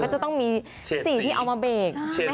ก็จะต้องมีสีที่เอามาเบก